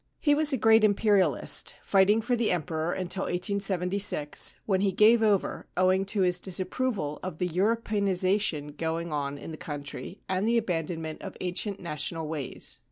He was a great Imperialist, fighting for the Emperor until 1876, when he gave over owing to his disapproval of the Europeanisation going on in the country and the abandonment of ancient national ways.